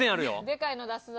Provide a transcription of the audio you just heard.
でかいの出すぞ。